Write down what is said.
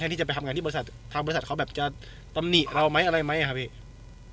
เท่าที่จะไม่ทำงานที่บริษัทชั่งบริษัทเขาแบบจะตำแหนิกเราอะไรไหมคะพี่